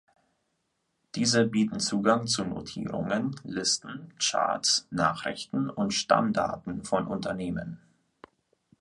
Diese bieten Zugang zu Notierungen, Listen, Charts, Nachrichten und Stammdaten von Unternehmen.